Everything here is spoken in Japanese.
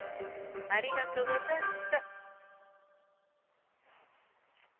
ありがとうござんした。